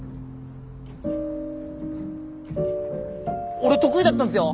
俺得意だったんすよ。